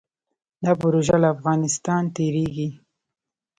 دا پروژه له افغانستان تیریږي